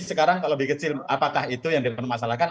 sekarang kalau lebih kecil apakah itu yang dipermasalahkan